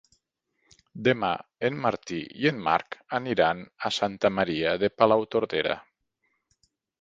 Demà en Martí i en Marc aniran a Santa Maria de Palautordera.